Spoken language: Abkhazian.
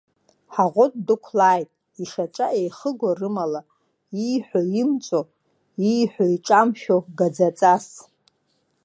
Ҳаӷоу ддәықәлааит, ишьаҿа еихыго арымала, ииҳәо имҵәо, ииҳәо иҿамшәо гаӡаҵас.